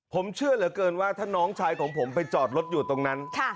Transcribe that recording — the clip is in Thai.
ผมเชื่อเหลือเกินว่าถ้าน้องชายของผมไปจอดรถอยู่ตรงนั้น